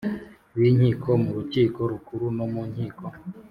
b inkiko mu Rukiko Rukuru no mu Nkiko